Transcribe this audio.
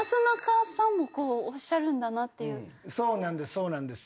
そうなんです。